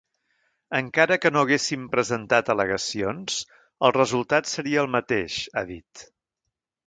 Encara que no haguéssim presentat al·legacions, el resultat seria el mateix, ha dit.